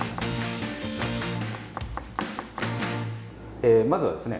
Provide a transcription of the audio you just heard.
えまずはですね